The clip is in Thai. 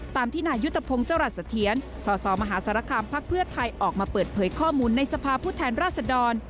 ตามที่นายุทธพงศ์จรัสเทียนสสมหาสารคามพักเพื่อไทยออกมาเปิดเผยข้อมูลในสภาพผู้แทนราชดร